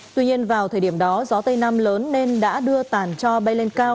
tuy nhiên vào thời điểm đó gió tây nam lớn nên đã đưa tàn cho bay lên cao